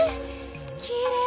きれい！